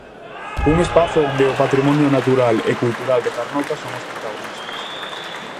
Un espazo onde o patrimonio natural e cultural de Carnota son os protagonistas.